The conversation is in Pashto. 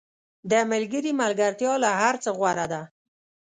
• د ملګري ملګرتیا له هر څه غوره ده.